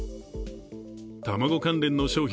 卵関連の商品